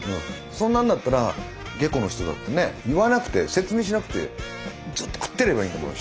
そんなんだったら下戸の人だってね言わなくて説明しなくてずっと食ってればいいんだもん